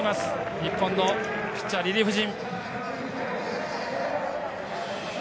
日本のピッチャー、リリーフ陣。